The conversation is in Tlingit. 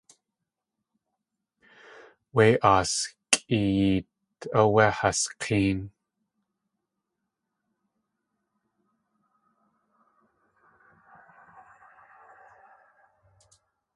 Wé aas kʼiyeet áwé has k̲éen.